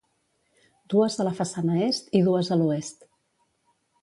Dues a la façana est i dues a l'oest.